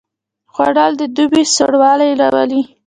خوړل د دوبي سوړ والی راولي